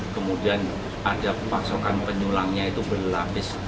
kemudian ada pasokan penyulangnya itu berlapis